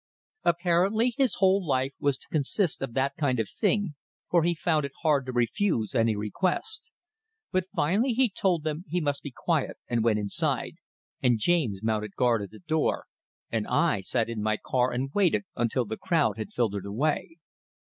Apparently his whole life was to consist of that kind of thing, for he found it hard to refuse any request. But finally he told them he must be quiet, and went inside, and James mounted guard at the door, and I sat in my car and waited until the crowd had filtered away.